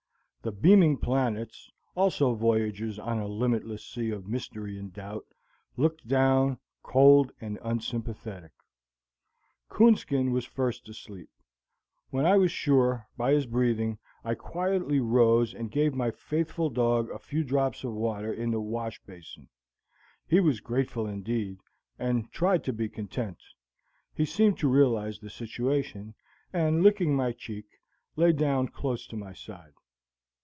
The beaming planets, also voyagers on a limitless sea of mystery and doubt, looked down, cold and unsympathetic. Coonskin was first asleep; when I was sure, by his breathing, I quietly rose and gave my faithful dog a few drops of water in the wash basin. He was grateful indeed, and tried to be content; he seemed to realize the situation, and licking my cheek, lay down close to my side.